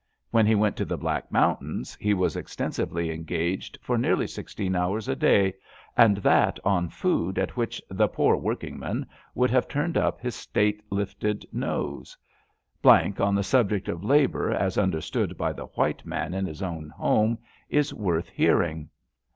When he went to the Black Mountains he was extensively engaged for nearly sixteen hours a day; and that on food at which the ^^ pore work in'man'' would have turned up his state lifted nose. D on the subject of labour as under stood by the white man in his own home is worth hearing.